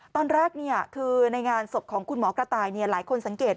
ตอนแรกคือในงานศพของคุณหมอกระต่ายหลายคนสังเกต